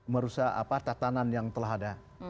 merusak tatanan yang telah ada